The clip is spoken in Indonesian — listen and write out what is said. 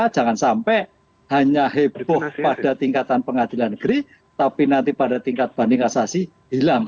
jangan sampai hanya heboh pada tingkatan pengadilan negeri tapi nanti pada tingkat banding kasasi hilang